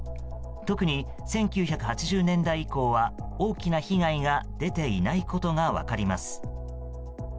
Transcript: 特に、１９８０年代以降は大きな被害が出ていないことが分かります。